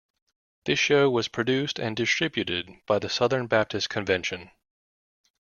This show was produced and distributed by the Southern Baptist Convention.